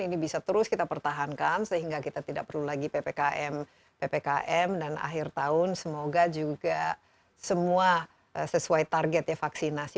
ini bisa terus kita pertahankan sehingga kita tidak perlu lagi ppkm dan akhir tahun semoga juga semua sesuai target ya vaksinasi